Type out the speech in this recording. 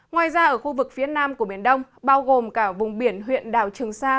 ngoài ra ở khu vực phía nam của biển đông bao gồm cả vùng biển huyện đảo trường sa